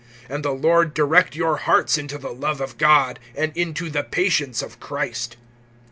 (5)And the Lord direct your hearts into the love of God, and into the patience of Christ.